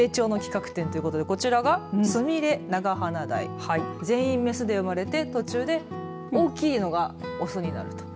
成長の企画展ということでスミレナガハナダイ全員雌で生まれて途中で大きいのが雄になると。